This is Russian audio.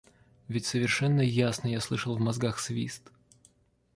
Ведь совершенно ясно я слышал в мозгах свист.